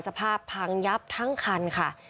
สภาพพังยับทั้งคันค่ะ